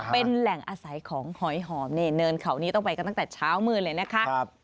เป็นแหล่งอาศัยของหอยหอมนี่เนินเขานี้ต้องไปกันตั้งแต่เช้ามืดเลยนะคะ